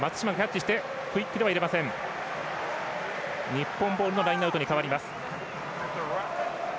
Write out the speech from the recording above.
日本ボールのラインアウトに変わります。